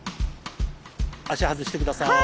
足外して下さい。